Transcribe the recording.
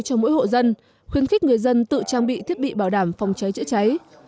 cho mỗi hộ dân khuyến khích người dân tự trang bị thiết bị bảo đảm phòng cháy chữa cháy